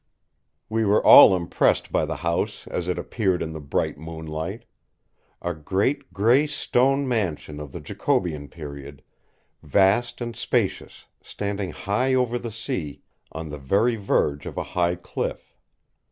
We were all impressed by the house as it appeared in the bright moonlight. A great grey stone mansion of the Jacobean period; vast and spacious, standing high over the sea on the very verge of a high cliff.